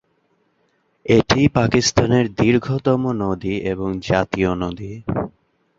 এটি পাকিস্তানের দীর্ঘতম নদী এবং জাতীয় নদী।